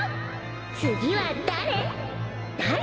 次は誰？